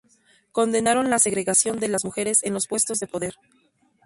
Condenaron la segregación de las mujeres en los puestos de poder.